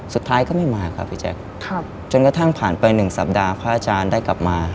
สุดท้ายก็ไม่มาครับพี่แจ๊คจนกระทั่งผ่านไป๑สัปดาห์พระอาจารย์ได้กลับมา